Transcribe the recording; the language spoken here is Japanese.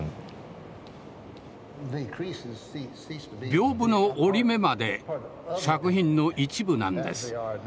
屏風の折り目まで作品の一部なんです。